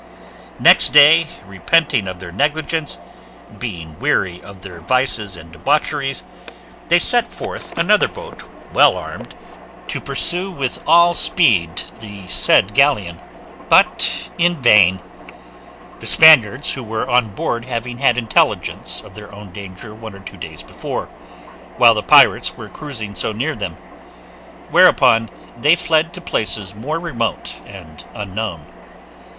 Next day, repenting of their negligence, being weary of their vices and debaucheries, they set forth another boat, well armed, to pursue with all speed the said galleon; but in vain, the Spaniards who were on board having had intelligence of their own danger one or two days before, while the pirates were cruising so near them; whereupon they fled to places more remote and unknown.